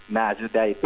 nah sudah itu ketemu